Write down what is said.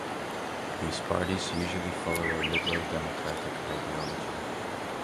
These parties usually follow a liberal democratic ideology.